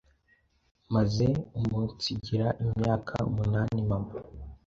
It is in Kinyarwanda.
maze umunsigira imyaka umunani mama